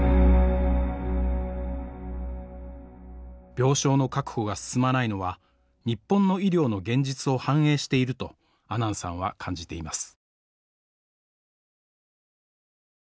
病床の確保が進まないのは日本の医療の現実を反映していると阿南さんは感じています。